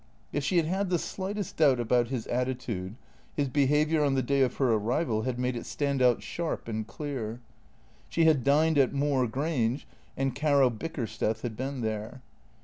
If she had had the slightest doubt about his attitude, his behaviour on the day of her arrival had made it stand out sharp THE CREATORS 247 and clear. She had dined at Moor Grange, and Caro Bicker steth had been there.